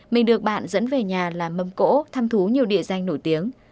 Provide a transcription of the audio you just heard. mình được bạn dẫn về nhà làm mâm cỗ thăm thú nhiều địa danh nổi tiếng